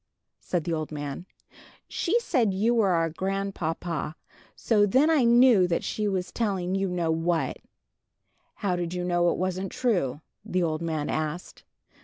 said the old man. "She said you were our grandpapa. So then I knew she was telling you know what." "How did you know it wasn't true?" the old man asked.